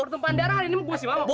pertumpahan darah ini mau gue siwapok